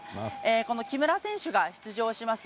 この木村選手が出場します